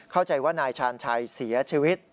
เข้าใจว่านายชาญชัยเสียชีวิต